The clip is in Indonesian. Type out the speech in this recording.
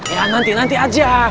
ya nanti nanti aja